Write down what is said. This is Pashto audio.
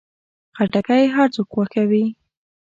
خټکی هر څوک خوښوي.